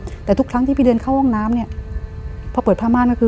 แต่ทุกครั้งที่พี่เดินเข้าห้องน้ำเนี้ยพอเปิดผ้าม่านก็คือ